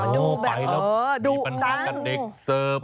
ดูแบบดูง่อนตั้งมีปัญหากับเด็กเสิร์ฟบ้าง